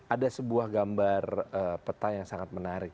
ada sebuah gambar peta yang sangat menarik